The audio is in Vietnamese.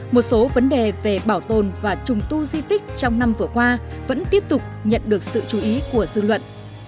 một số vấn đề về bảo tồn và trùng tu di tích trong năm vừa qua vẫn tiếp tục nhận được sự chú ý của dư luận